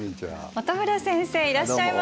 本村先生いらっしゃいませ。